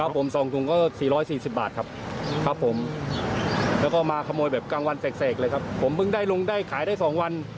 ผมเพิ่งได้ลงได้ขายได้๒วัน